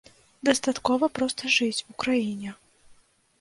Дастаткова проста жыць у краіне.